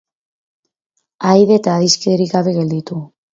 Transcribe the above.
Ahaide eta adiskiderik gabe gelditu.